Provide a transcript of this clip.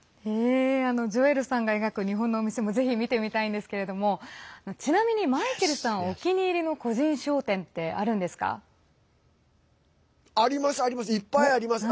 ジョエルさんが描く日本のお店もぜひ見てみたいんですけれどもちなみにマイケルさんお気に入りの個人商店ってあるんですか？